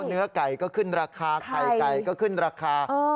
เนื้อไก่ก็ขึ้นราคาไข่ไก่ก็ขึ้นราคา